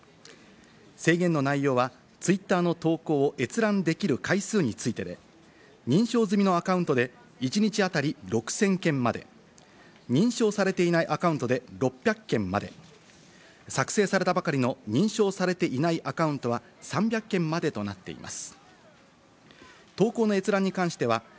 制限の内容は、Ｔｗｉｔｔｅｒの投稿を閲覧できる回数についてで、認証済みのアカウントで１日当たり６０００件まで、認証されていないアカウントで６００件まで、作成されたばかりの認証されていないアカウントは３００件までとなっています。